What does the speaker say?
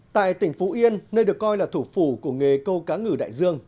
tại tỉnh phú yên nơi được coi là thủ phủ của nghề câu cá ngử đại dương